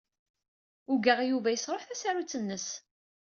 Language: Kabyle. Ugaɣ Yuba yesṛuḥ tasarut-nnes.